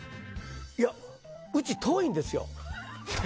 いや。うち、遠いんですよ。